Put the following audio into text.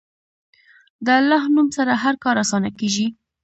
د الله نوم سره هر کار اسانه کېږي.